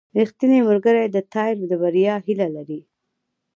• ریښتینی ملګری د تا د بریا هیله لري.